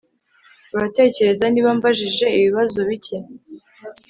Uratekereza niba mbajije ibibazo bike